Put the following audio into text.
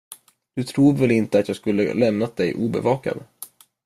Du tror väl inte att jag skulle lämnat dig obevakad?